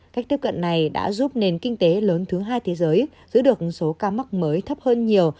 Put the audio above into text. cách tiếp cận này đã giúp nền kinh tế lớn thứ hai thế giới giữ được số ca mắc mới thấp hơn nhiều